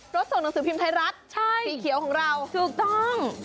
ส่งหนังสือพิมพ์ไทยรัฐสีเขียวของเราถูกต้อง